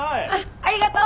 ありがとう！